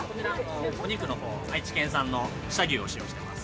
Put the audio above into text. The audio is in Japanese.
お肉の方、愛知県産の知多牛を使用しています。